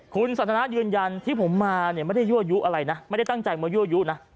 คุณสันทนายืนยันที่ผมมาเนี่ยไม่ได้ยั่วยุอะไรนะไม่ได้ตั้งใจมายั่วยุนะ